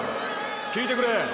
きいてくれ。